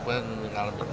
tapi pun kalau terus